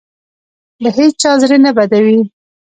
له هېچا زړه نه بدوي.